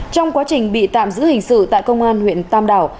trong quá trình bị tạm giữ hình sự tại công an huyện tam đảo